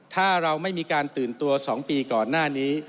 ถ้าเราไม่มีการตื่นตัว๒ปีก่อนหน้านี้